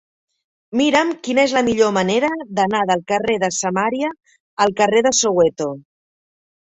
Mira'm quina és la millor manera d'anar del carrer de Samaria al carrer de Soweto.